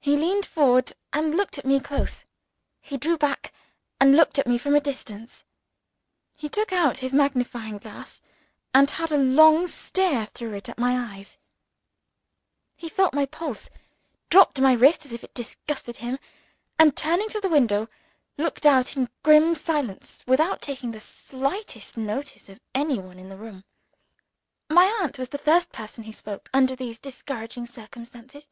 He leaned forward, and looked at me close; he drew back, and looked at me from a distance; he took out his magnifying glass, and had a long stare through it at my eyes; he felt my pulse; dropped my wrist as if it disgusted him; and, turning to the window, looked out in grim silence, without taking the slightest notice of any one in the room. My aunt was the first person who spoke, under these discouraging circumstances.